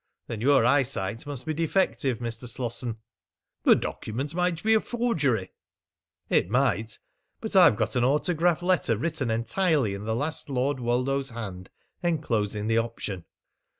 "Then your eyesight must be defective, Mr. Slosson." "The document might be a forgery." "It might. But I've got an autograph letter written entirely in the last Lord Woldo's hand, enclosing the option."